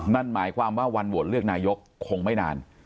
นั่นหมายความว่าวันโหวตเลือกนายกคงไม่นาน